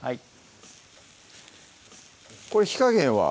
これ火加減は？